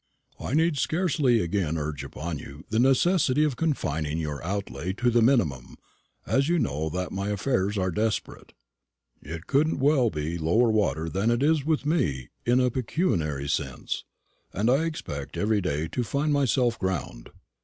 I need scarcely again urge upon you the necessity of confining your outlay to the minimum, as you know that my affairs are desperate. It couldn't well be lower water than it is with me, in a pecuniary sense; and I expect every day to find myself aground.